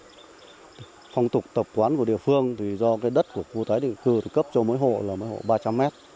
phong tục tập quán của địa phương thì do cái đất của khu tái định cư thì cấp cho mỗi hộ là mấy hộ ba trăm linh mét